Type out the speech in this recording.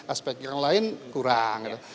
aspek yang lain kurang